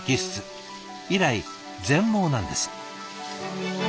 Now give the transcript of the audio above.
以来全盲なんです。